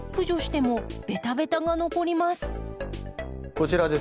こちらですか？